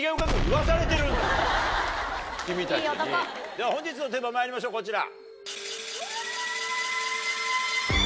では本日のテーマまいりましょうこちら。